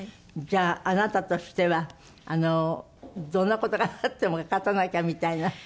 じゃああなたとしてはどんな事があっても勝たなきゃみたいな。